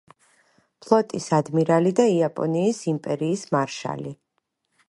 ფლოტის ადმირალი და იაპონიის იმპერიის მარშალი.